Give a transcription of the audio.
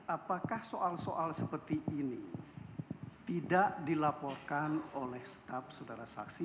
apakah soal soal seperti ini tidak dilaporkan oleh staf sudara saksi